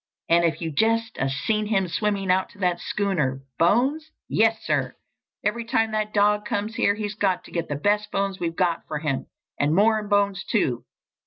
And if you'd just 'a' seen him swimming out to that schooner! Bones? Yes, sir! Every time that dog comes here he's to get the best bones we've got for him—and more'n bones, too.